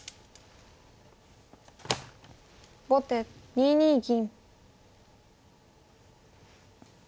後手２二銀。